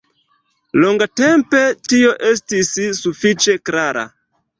Longatempe tio estis sufiĉe klara.